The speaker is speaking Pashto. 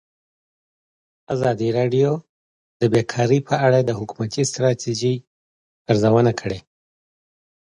ازادي راډیو د بیکاري په اړه د حکومتي ستراتیژۍ ارزونه کړې.